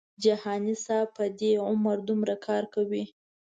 جهاني صاحب په دې عمر دومره کار کوي.